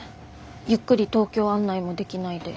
ゆっくり東京案内もできないで。